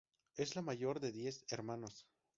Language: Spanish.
Es la mayor de diez hermanos.